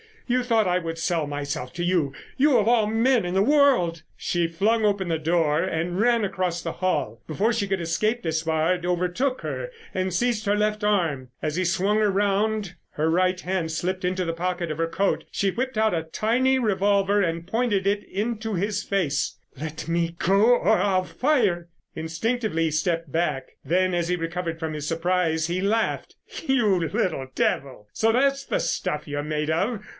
You thought I would sell myself to you—you of all men in the world!" She flung open the door and ran across the hall. Before she could escape Despard overtook her and seized her left arm. As he swung her round her right hand slipped into the pocket of her coat. She whipped out a tiny revolver and pointed it into his face: "Let me go, or I'll fire!" Instinctively he stepped back. Then, as he recovered from his surprise he laughed: "You little devil! So that's the stuff you're made of.